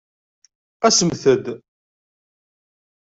Asemt-d!